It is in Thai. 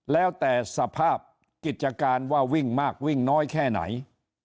แล้วแต่สภาพกิจการว่าวิ่งมากวิ่งน้อยแค่ไหน